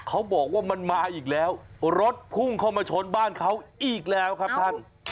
เขาบอกว่ามันมาอีกแล้วรถพุ่งเข้ามาชนบ้านเขาอีกแล้วครับท่าน